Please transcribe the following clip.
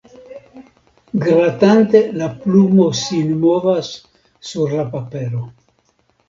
Gratante la plumo sin movas sur la papero.